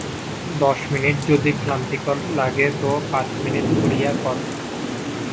দশ মিনিট যদি ক্লান্তিকর লাগে তো পাঁচ মিনিট করিয়া কর।